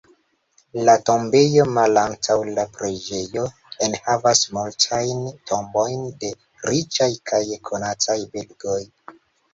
La tombejo malantaŭ la preĝejo enhavas multajn tombojn de riĉaj kaj konataj belgoj.